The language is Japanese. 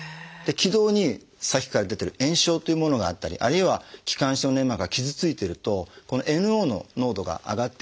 気道にさっきから出てる炎症というものがあったりあるいは気管支の粘膜が傷ついてるとこのＮＯの濃度が上がってくるんですね。